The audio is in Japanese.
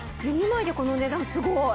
２枚でこの値段すごい！